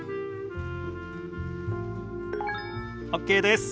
ＯＫです。